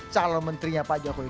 calon menterinya pak jokowi